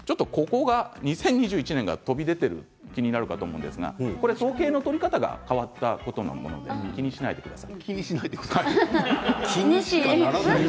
２０２１年が飛び出ている、気になると思いますが統計の取り方が変わったので気にしないでください。